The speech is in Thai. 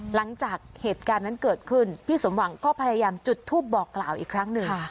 หลังจากเหตุการณ์นั้นเกิดขึ้นพี่สมหวังก็พยายามจุดทูปบอกกล่าวอีกครั้งหนึ่ง